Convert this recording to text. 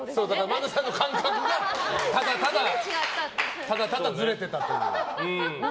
萬田さんの感覚がただただずれてたという。